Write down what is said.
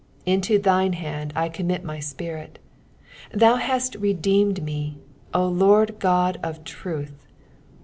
5 Into thine hand I commit my spirit : thou hast redeemed me, O Lord God of truth.